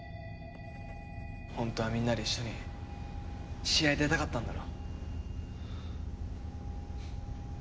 本当はみんなで一緒に試合出たかったんだろ？